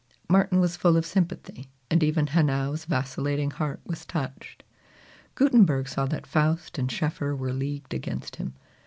Martin was full of sympathy, and even Hanau's vacillating heart was touched. Gutenberg saw that Faust and Schoeffer were leagued against him.